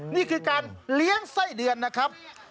นี่คือการเลี้ยงไส้เดือนนะครับ